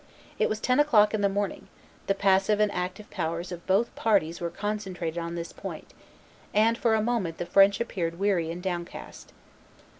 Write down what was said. It was ten o'clock in the morning; the passive and active powers of both parties were concentrated on this point; and for a moment the French appeared weary and downcast.